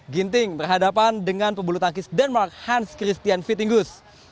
ginting berhadapan dengan pebulu tangkis denmark hans christian fittinggus